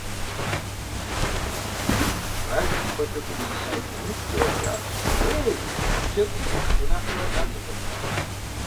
Бажэм, куэдрэ гупсыса нэужькӀэ жиӀащ: «Ей, Джэд цӀыкӀу, унэфэ ящӀар зэхэпха?».